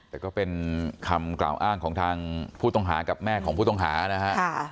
แต่ก็เป็นคำกล่าวอ้างของทางผู้ต้องหากับแม่ของผู้ต้องหานะฮะ